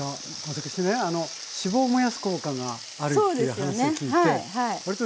私ね脂肪を燃やす効果があるって話を聞いて。